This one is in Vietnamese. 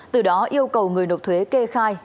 từ đó yêu cầu người nộp thuế kê khai